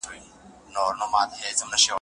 چېري د اساسي قانون ساتونکي ادارې شتون لري؟